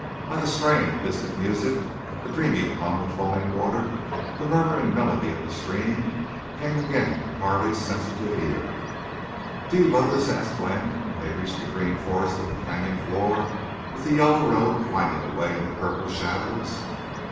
Like a strain of distant music, the dreamy hum of falling water, the murmur and melody of the stream, came again to Carley's sensitive ear. "Do you love this?" asked Glenn, when they reached the green forested canyon floor, with the yellow road winding away into the purple shadows.